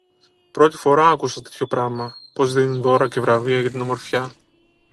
Πρώτη φορά άκουσα τέτοιο πράμα, πως δίνουν δώρα και βραβεία για την ομορφιά